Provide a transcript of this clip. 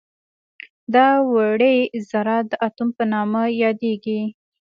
دا وړې ذرات د اتوم په نامه یادیږي.